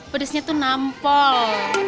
pedesnya tuh nampol